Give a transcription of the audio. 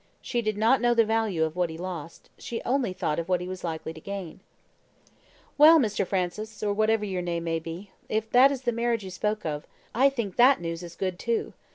She did not know the value of what he lost, she only thought of what he was likely to gain. "Well, Mr. Francis, or whatever your name may be, if that is the marriage you spoke of, I think that news is GOOD too.